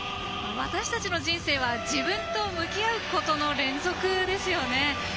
私たちの人生は、自分と向き合うことの連続ですよね。